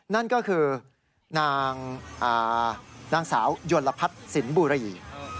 นั่นก็คือนางสาวยนลพัฒน์สินบุรี